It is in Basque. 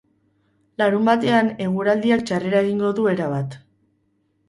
Larunbatean, eguraldiak txarrera egingo du erabat.